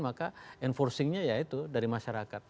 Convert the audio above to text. maka enforcingnya ya itu dari masyarakat